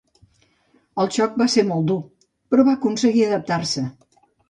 El xoc va ser molt dur però va aconseguir adaptar-se.